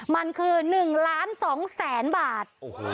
มันคือ๑๒๐๐๐๐บาท